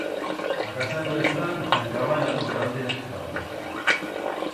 A casa nuestra las tancaban a'l corral de las crabas.